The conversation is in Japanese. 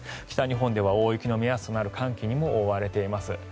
北日本で大雪の目安となる寒気が覆われています。